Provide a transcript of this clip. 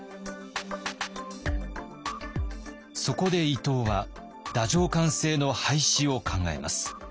そこで伊藤は太政官制の廃止を考えます。